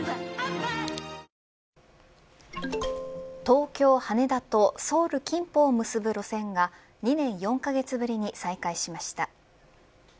ＪＴ東京、羽田とソウル、金浦を結ぶ路線が２年４カ月ぶりに再開しました。